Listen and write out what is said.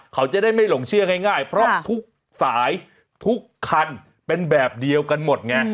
เขาจะได้ไม่หลงเชื่อง่ายเพราะทุกสายทุกคันเป็นแบบเดียวกันหมดไง